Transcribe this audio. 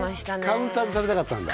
カウンターで食べたかったんだ？